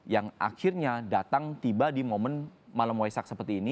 yang akhirnya datang tiba di momen malam waisak seperti ini